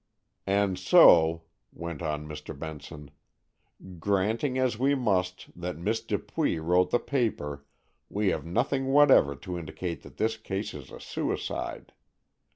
"And so," went on Mr. Benson, "granting, as we must, that Miss Dupuy wrote the paper, we have nothing whatever to indicate that this case is a suicide.